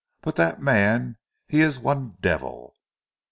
But dat man he ees one devil.